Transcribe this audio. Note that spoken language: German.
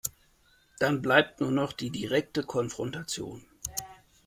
Dann bleibt nur noch die direkte Konfrontation.